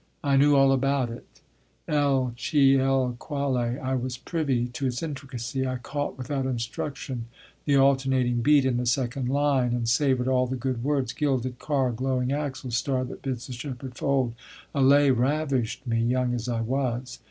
I knew all about it, "e'l chi, e'l quale"; I was privy to its intricacy; I caught without instruction the alternating beat in the second line, and savoured all the good words, gilded car, glowing axle, Star that bids the shepherd fold. Allay ravished me, young as I was.